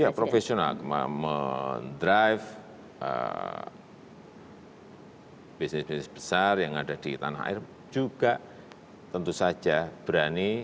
iya profesional mendrive bisnis bisnis besar yang ada di tanah air juga tentu saja berani